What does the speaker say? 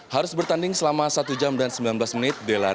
harus bertanding selama satu jam dan sembilan belas menit